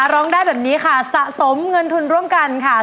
ร้องได้แบบนี้ค่ะสะสมเงินทุนร่วมกันค่ะ